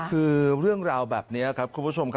คือเรื่องราวแบบนี้ครับคุณผู้ชมครับ